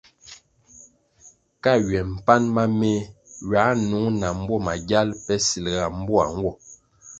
Ka ywe mpan ma meh ywā nung na mbwo magyal pe silga mboa nwo.